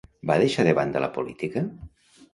Va deixar de banda la política?